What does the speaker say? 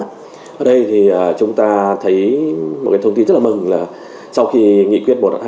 ở đây thì chúng ta thấy một cái thông tin rất là mừng là sau khi nghị quyết một trăm hai mươi